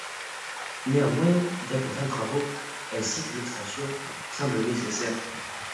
Néanmoins d'importants travaux ainsi qu'une extension semblent nécessaires.